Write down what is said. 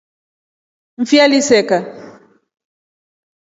Ni fi aliseka.